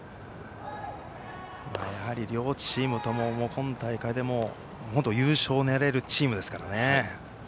やはり両チームともに今大会でも優勝を狙えるチームですからね。